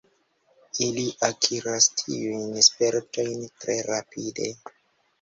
Ili akiras tiujn spertojn tre rapide.